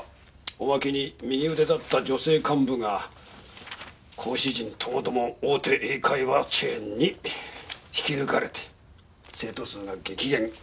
おまけに右腕だった女性幹部が講師陣ともども大手英会話チェーンに引き抜かれて生徒数が激減。